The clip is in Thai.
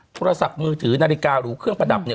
โทรศัพท์มือถือนาฬิการูเครื่องประดับเนี่ย